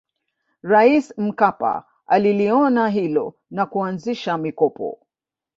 rais mkpa aliliona hilo na kuanzisha mikopo